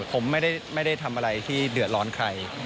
ผมไม่ได้ทำอะไรที่เดือดร้อนใคร